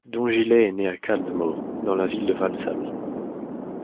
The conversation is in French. Don Gilet est né à Caldmore dans la ville de Walsall.